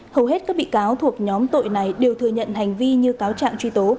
hầu hết các bị cáo thuộc nhóm tội này đều thừa nhận hành vi như cáo trạng truy tố